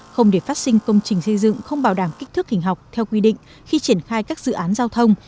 không để phát sinh công trình xây dựng không bảo đảm kích thước hình học theo quy định khi triển khai các dự án giao thông